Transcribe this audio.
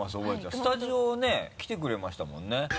スタジオねぇ来てくれましたもんね。